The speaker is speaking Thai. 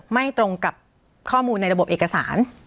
ไม่ตรงกับข้อมูลในระบบเอกสาร